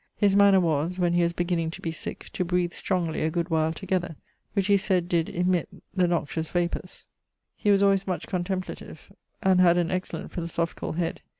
His manner was, when he was beginning to be sick, to breath strongly a good while together, which he sayed did emitt the noxious vapours. He was alwayes much contemplative, and had an excellent philosophicall head.